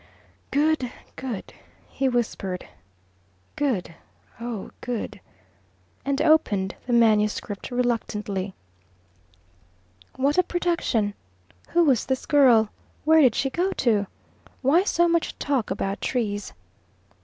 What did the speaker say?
"Good! good!" he whispered. "Good, oh good!" and opened the manuscript reluctantly. What a production! Who was this girl? Where did she go to? Why so much talk about trees?